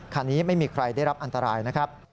คันนี้ไม่มีใครได้รับอันตรายนะครับ